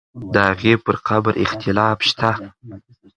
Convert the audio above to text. د هغې پر قبر اختلاف شته.